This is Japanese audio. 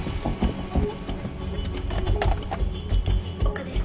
丘です。